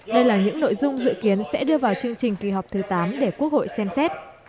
đây là những nội dung dự kiến sẽ đưa vào chương trình kỳ họp thứ tám để quốc hội xem xét